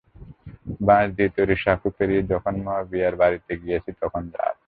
বাঁশ দিয়ে তৈরি সাঁকো পেরিয়ে যখন মাবিয়ার বাড়িতে গিয়েছি, তখন রাত।